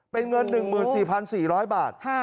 เป็นเงิน๑๔๔๐๐บาท